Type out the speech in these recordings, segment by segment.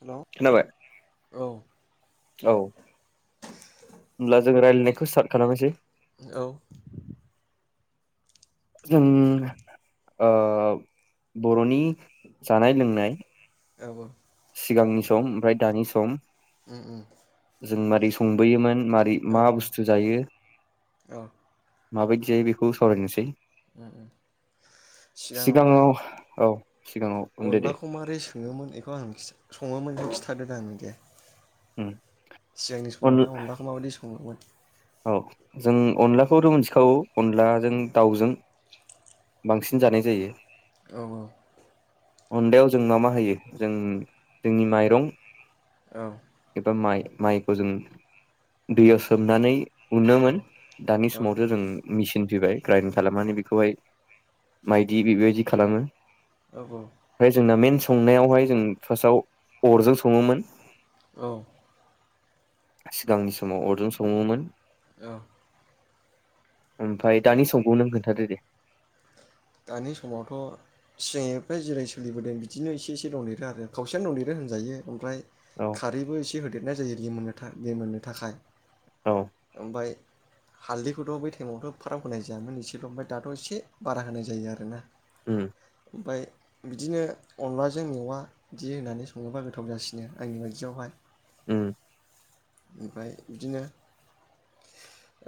हेल' औ खोनाबाय औ औ होनब्ला जों राय नायखौ स्टार्द खालामनोसै औ। जों ओ बर'नि जानाय लोंनाय। औ औ। सिगांनि सम ओमफ्राय दानि सम। उम उम जों मारै संबोयोमोन मारै औ मा बुस्थु जायो। औ माबायदि जायो बेखौ सावरायनोसै। सिगाङावहाय सिगाङाव औ सिगाङाव होनदो दे अनलाखौ मारै सोङोमोन बेखौ आं मिथि सङोमोन खिन्थादो दां दे। उम सिगांनि अन समावहाय अनलाखौ माबायदि सङोमोन? औ जों अनलाखौथ' मोनथिखागौ अनलाजों दाउजों। बांसिन जानाय जायो। औ औ। अनलायाव जों मा मा होयो जों जोंनि माइरं औ इबा माइ। माइखौ जों दैयाव सोमनानै उनोमोन दानि औ समावथो जों मेचिन फैबाय। ग्राइम खालामनानै बेखौहाय मायदि बेबायदि खालामो। औ है जोंना मेनस संनायावहाय जों फार्स्टआव अरजों सङोमोन। औ। सिगांनि समाव अरजों सङोमोन। औ। ओमफ्राय दानि समखौ नों खोन्थादो दे। दानि समावथ' सिगांनिफ्राय जिरै सोलिबोदों बिदिनो एसे एसे दंदेरो आरो खावसेयानो दंदेरो होनजायो। ओमफ्राय औ खारैबो एसे होद लेरनाय जायो रिमोननो था रिमोननो थाखाय। औ ओमफाय हालदैखौथ' बै टाइमावथ' एफाराब होनाय जायामोन एसेल' ओमफ्राय दाथ' एसे बारा होनाय जा जायो आरोना। उ। ओमफ्राय बिदिनो अनलाजों मेवा बिदि होननानै सङोबा गोथाव जासिनो आंनि बायदियावहाय। उह ओमफ्राय बिदिनो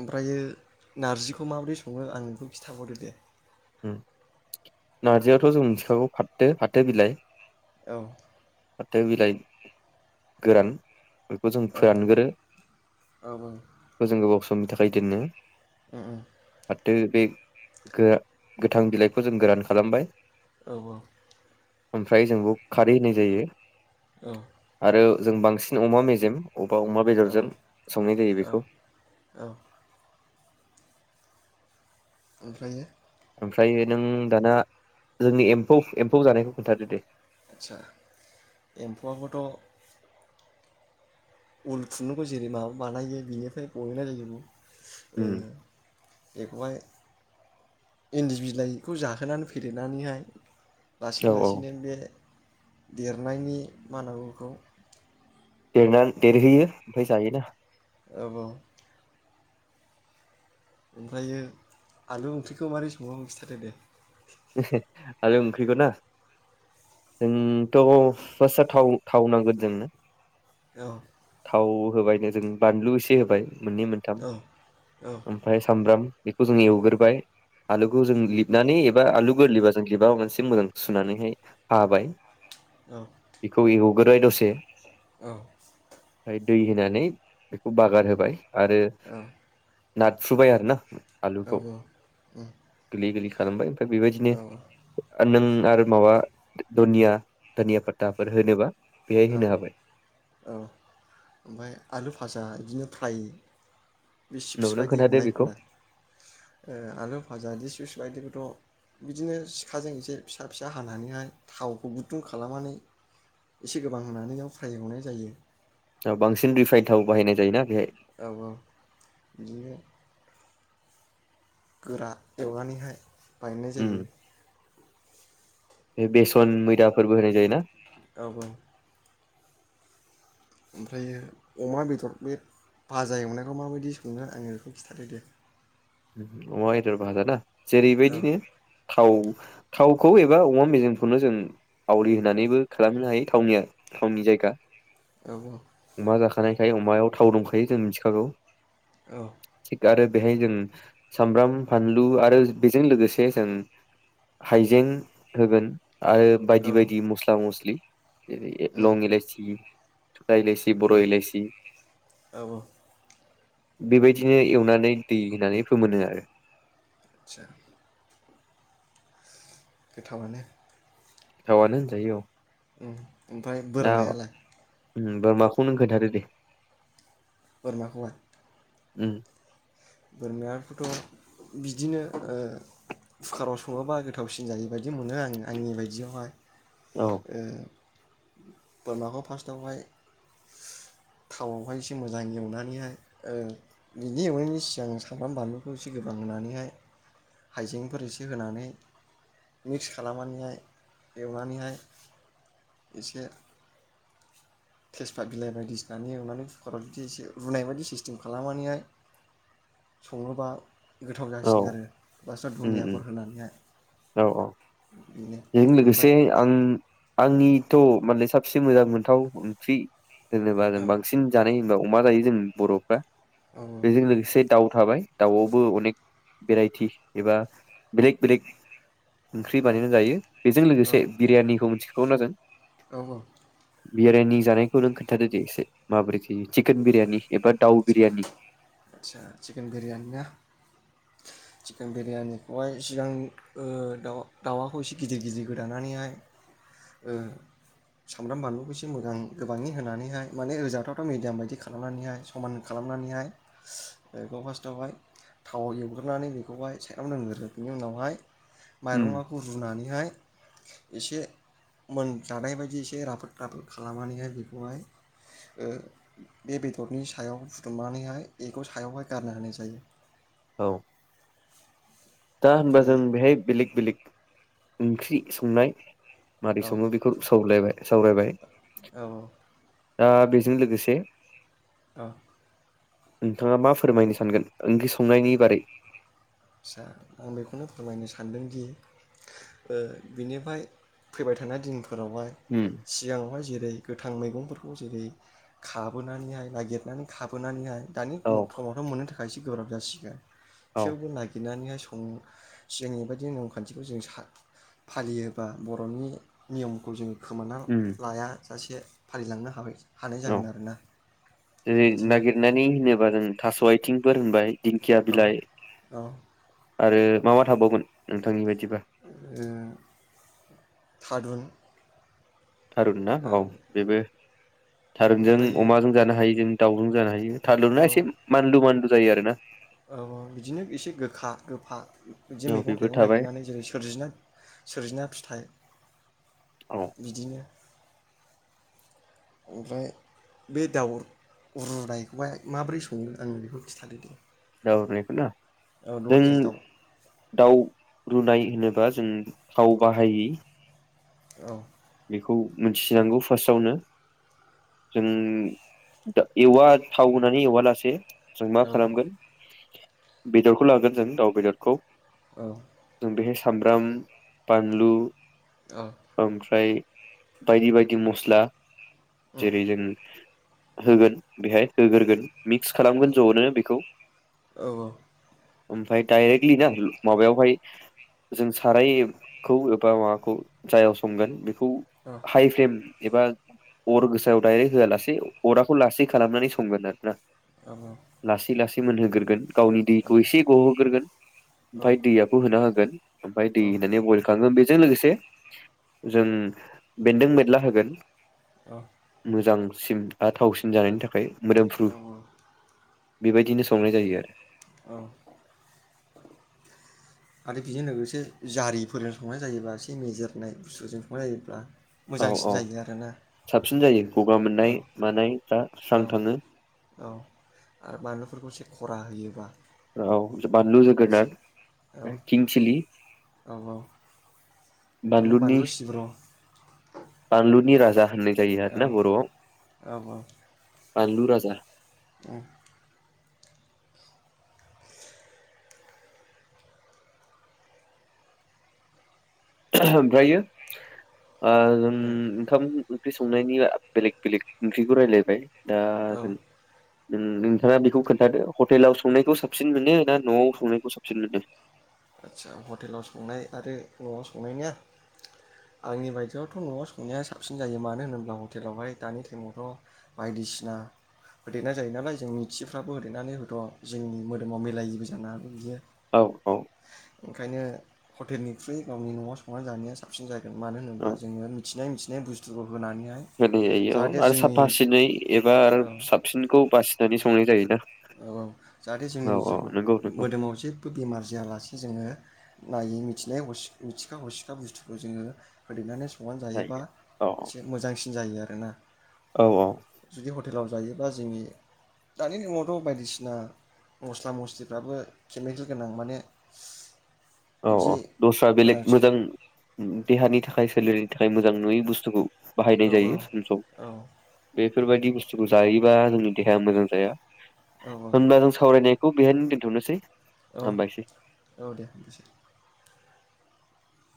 ओमफ्रायो नारजिखौ माबोरै सङो आंनो बेखौ खिन्थाहरदो दे नार्जियाथ जों मिथिखागौ फाथो-फाथो बिलाइ। औ। फाथो बिलाइ गोरान। बेखौ जों औ फोरानग्रो औ [unintelligible] उननि थाखाय दोननो उम बे-बे गो-गोथां बिलाइखौ जों गोरान खालामबाय। औ- औ ओमफ्राय जों बेयाव खारै होनाय जायो। औ आरो जों बांसिन अमा मेजेम अबावबा अमा औ बेदरजों संनाय जायो औ बेखौ। औ ओमफ्रायो ओमफ्राय नों दाना जोंनि एम्फौ-एम्फौ जानायखौ खोन्थादो दे। आदचा एम्फौआबोथ उल खुन्दुंखौ जेरै माबा बानायो बिनिफ्राय गहोनाय जायो। ओ उम बेखौहाय इन्दि बिलाइखौ जाहोनानै फेदेरनानैहाय लासै औ औ लासैनो बे देरनायनि मा होनना बुङो बेखौ देर देरहैयो ओमफ्राय जायोना। औ-औ ओमफ्रायो आलु ओंख्रिखौ माबोरै संङो खिन्थादो दे। आलु ओंख्रिखौ ना जों थ फार्स्टआव थाव थाव नांगोन जोंनो औ थाव होबायनो जों बानलु एसे होबाय मोननै मोनथाम औ औ ओमफ्राय सामब्राम बेखौ जों एवग्रोबाय आलु आं जों लेमनानै आलु गोरलैबा जों बिबा मोनसे मोजां सुनानैहाय हाबाय [inaudible] इखौ एवो [unintelligible] दसे औ ओमफ्राय दै होनानै बेखौ बागार होबाय। आरो औ नारफ्रुबाय आरो ना औ आलुखौ उम गोरलै गोरलै खा खालामबाय औ बेबायदिनो [unintelligible] आरो माबा दनिया दनिया फाताफोर होनोबा बेहाय औ होनो हाबाय औ ओमफ्राय आलु फाजा बिदिनो [unintelligible] बे सिप्स उनाव नों बायदि खोन्थादो बेखौ एवनायखौलाय ओ आलु फाजा बायदिखौथ' बिदिनो सिखाजों एसे फिसा फिसा हानानैहाय थावखौ गुदुं खालामनानै एसे गोबां होनानैयाव फ्राय हावनाय जायो आ बांसिन रिफाइन थाव बाहायनाय जायोना बेहाय? औ औ बिदिनो गोरा एवनानैहाय बायनाय उम जायो बे बेसन मैदाफोरबो होनाय जायोना? औ औ ओमफ्रायो अमा बेदर बे भाजा एवनायखौ माबायदि सङो आङो बेखौ खिन्थादो दे अमा बेदर भाजाना? औ जेरैबायदिनो थाव थावखौ एबा अमा मेजेखौनो जों आवलि होनानैबो खालामनो हायो थावनिया थावनि जायगा औ औ थानायखाय अमायाव थाव दंखायो जों मिथिखागौ औ [inaudible] थिग आरो बेहाय जों सामब्राम फानलु आरो बेजों लोगोसे जों हायजें होगोन आरो औ बायदि बायदि मस्ला मस्लि इद उम लं इलाइसि सथा इलायसि बर' औ इलायसि औ बेबायदिनो एवनानै दै होनानै फोमोनो आरो आदचा गोथावानो गोथावानो होनजायो औ उम ओमफ्राय बोरमायालाय होमबा माखौ नों खोन्थादो दे बोरमाखौहाय उम बोरमाखौथ' बिदिनो ओ कुकाराव सङोबा गोथावसिन जायो बायदि मोनो आं आंनि बायदियावहाय औ ओ बोरमाखौ फास्ट आवहाय थावआवहाय एसे मोजां एवनानैहाय ओ बिदि एवनायनि सि सिगां सामब्राम बानलुखौ एसे गोबां होनानैहाय हाइजेंफोर एसे होनानै मिक्स खालामनानैहाय एवनानैहाय एसे थेसफाथ बिलाइ बायदिसिनानानै एवनानै कुकाराव जुदि एसे रुनाय बायदि सिस्टेम खालामनानैहाय सङोबा गोथाव औ जासिनो आरो बास उम उम दुनियाफोर होनानैहाय औ औ बेनो बेजों लोगोसे ओमफ्राय आं आंनि थ' मालाय साबसिन मोजां मोनथाव ओंख्रि जेनेबा जों औ बांसिन जानाय होनबा अमा जायो जों बर'फ्रा औ बेजों लोगोसे दाउ थाबाय दाउआवबो अनेक भेराइटि एबा बेलेक बेलेग ओंख्रि बानायनानै जायो बेजों औ लोगोसे बिरियानिखौ मिथि खौनो जों औ औ बिरियानि जानायखौ नों खोनन्थादो दे एसे माबोरै जायो चिकेन बिरियानि एबा दाउ बिरियानि आसा चकेन बिरियानि ना चिकेन बिरियानिखौहाय सिगां ओ दाउ दाउआखौ एसे गिदिर गिदिर गोदानानैहाय ओ सामब्राम बानलुखौ एसे मोजां गोबाङै होनानैहाय माने रोजाथावथाव मिडियाम बायदि खालामनानैहाय समान खालामनानैहाय बेखौ फास्टआवहाय थावाव एवग्रोनानै बेखौहाय साइडआव दोंग्रो बिनि उनावहाय उम माइरङाखौ रुनानै हाय एसे मोनजानाय बायदि एसे राफोद राफोद खालामनानैहाय बेखौहाय ओ बे बेदरनि सा सायाव फुदुंनानैहाय एखौ' सायावहाय गारना होनाय जायो औ दा होनबा जों ओमफ्राय बेहाय बिलेग बेलग ओंख्रि संनाय। मारै औ सङो बेखौ सावलायबाय सावरायबाय। औ दा बेजों लोगोसे। ओ। नोंथाङा मा फोरमायनो सानगोन ओंख्रि संनायनि बारै? आसा आं बेखौनो फोरमायनो सानदोंदि ओ बिनिफाय फैबाय थानाय दिन फोरावहाय उम सिगाङावहाय जेरै गोथां मैगंफोरखौ जेरै खाबोनानैहाय नागिरनानै खाबोनानैहाय दानि [unintelligible] औ मोननो थाखायसो। गोब्राब जासिगोन। औ खेवबो नायगि नुनानैहाय स सिगांनि बादि नेयम खान्थिखौ जों फालियोबा बर'नि नियमखौ जों खोमाना उम लाया। सासे फारिलांनो हाबाय। हानाय औ जागोन आरोना जेरै बिदिनो नागिरनानै होनोबा जों थास' आइथिं। फोरोंबाय दिंखिया औ बिलाइ। औ ओ आरो मा मा थाबावगोन नोंथांनि बाय ए। थारुन। थारुन ना औ बेबो थारुनजों ओमफ्रायो अमाजों जानो हायो जों। दाउजों जानो हायो। थारुना औ एसे मानलु मानलु जायो आरोना? औ औ इदिनो एसे गोखा गोफा। बिदि औ मैगं बेबो थाइगं थाबाय नागिरनानै जेरै सोरजिना सोरजिना फिथाइ औ बिदिनो। ओमफ्राय बे दाउ रुनायखौहाय माबोरै सङो आंनो बेखौ खिन्थादों दे। [inaudible] औ जों लकेल दाउ दाउ रुनाय होनोबा जों थाव बाहायै। औ। बेखौ मिथिनांगौ फार्स्टआवनो जों दा एवा थाव होनानै एववा लासे। जों मा औ खालामगोन। बेदरखौ लागोन जों दाउ बेदरखौ। औ जों बे सामब्रम बानलु। उह ओमफ्राय बायदि बायदि मस्ला। उम जेरै जों होगोन बेहाय होग्रोगोन। मिक्स खालामगोन ज'नो बेखौ। औ ओमफ्राय डायरेक्टलि माबायावहाय जों सारायखौ एबा माबाखौ जायाव संगोन। हाइ फेम। एबा अर गोसायाव डायरेक्ट होआ लासेै अरखौ लासै खालामनानै संगोन आरोना। औ औ लासै लासै। मोनहोग्रोगोन। गावनि दैखौ एसे गहोग्रोगोन औ ओमफ्राय दैआबो होना होगोन। [inaudible] ओमफ्राय [unintelligible] बेजों लोगोसे। जों बेन्दों बेनला होगोन। औ। मोजांसिन बा थावसिन जानायनि थाखाय। मोदोमफ्रु। बेबायदिनो संनाय जायो आरो। औ। आरो बेजों लोगोसे जारिफोरजों संनाय जायोबा एसे मेजेरनाय बुस्थुजों संनाय जायोब्ला। औ मोजांसिन औ जायो आरोना साबसिन जायो गगा मोननाय मानायफ्रा औ स्रां औ थाङो। औ आरो बानलुफोरखौ एसे खरा होयोबा। औ बानलु एसे जोगोनाद। औ किं सिलि औ माने बानलुनि। बानलु सिब्र' औ बानलुनि राजा। होननाय जायो आरो ना बरआव। औ बानलु राजा। उम। ओमफ्रायो। ओम ओंखाम ओंख्रि। संनायनि बेलेग बेलेग ओंख्रिखौ रायज्लायबाय। दा औ जों। नोंथाङा बेखौ खोन्थादो हटेलाव संनायखौ साबसिन मोनो ना नआव संनायखौ साबसिन मोनो। आदसा हटेलाव संनाय आरो नआव संनायनिया आंनि बायदियावथ नआव संनाया साबसिन जायो मानो होनोब्ला हटेलावहाय दानि टाइमावथ बायदिसिना होदेरनाय जायो नालाय जों मिथियैफ्राबो होदेरनानै होथ जोंनि मोदोमाव मिलायैबो जानो हागौ बिदिनो। औ औ। ओंखायनो हटेलनिख्रुइ गावनि नआव संनानै जानाया साबसिन जायो। मानो होनोबा औ जोङो मिथिनाय मिथिनाय मिथिनाय बुस्थुफोरखौ होनाय आरो साफा सिनै एबा औ आरो साबसिनखौ बासिनानै संनाय जायोना। औ जाहाथे जोंनि औ जि औ नंगौ नंगौ मोदोमाव जेबो बेमार जायालासे जोङो। नायै मिथिनाय मिथिखा हरसिखा बुस्थुखौ जोङो होदेरनानै संनानै जायो जायोबा औ एसे मोजांसिन जायो आरो। बेनो औ औ। हटेलाव जायोबा जोंनि दानि नुनायावथ बायदिसिना मस्ला मस्लिफ्राबो केमिकेल गोनां माने औ औ बिदि दस्रा बेलेग गोनांथि मोजां देहानि थाखाय सोलेरनि थाखाय मोजां नंङै बुस्थुखौ औ बाहायनाय जायो सम सम औ बेफोरबायदि बुस्थुखौ जायो बा जोंनि देहाया मोजां जाया। औ होमबा जों सावरायनाय खौ बेहायनो दोनथनोसै। औ हामबायसै। औ दे।